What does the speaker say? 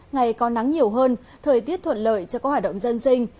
ngày có nắng nhiều hơn thời tiết thuận lợi cho các hoạt động dân sinh